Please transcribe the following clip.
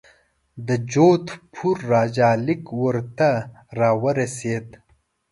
د جودپور راجا لیک ورته را ورسېد.